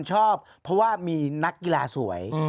ชอบเพราะว่ามีนักกีฬาสวย